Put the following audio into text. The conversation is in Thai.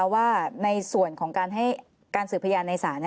ว่าในส่วนของการให้การสืบพยานในศาล